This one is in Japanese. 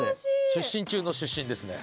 出身中の出身ですね。